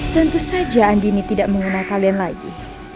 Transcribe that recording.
tentu saja andini tidak mengenal kalian lagi